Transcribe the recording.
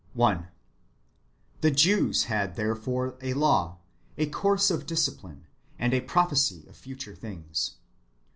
1. They (the Jews) had therefore a law, a course of dis cipline, and a prophecy of future things.